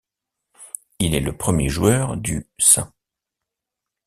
Il est le premier joueur du St.